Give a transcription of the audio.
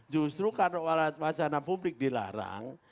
justru karena wacana publik dilarang